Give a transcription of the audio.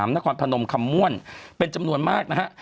นครพนมคำม่วนเป็นจำนวนมากนะฮะ